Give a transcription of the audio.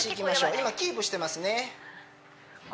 今キープしてますねあ